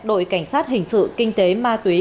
đội cảnh sát hình sự kinh tế ma túy